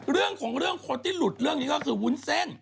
เรื่องของเรื่องคนที่หลุดเรื่องนี้ก็คือวุ้นเส้น